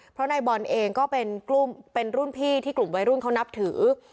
เพราะนายบอลเองก็เป็นรุ่นพี่ที่กลุ่มวัยรุ่นเขานับถือ